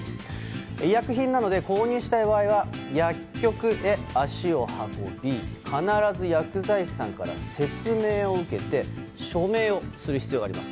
医薬品などで購入したい場合は薬局へ足を運び必ず薬剤師さんから説明を受けて署名をする必要があります。